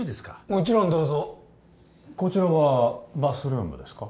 もちろんどうぞこちらはバスルームですか？